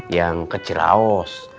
yang kecil aus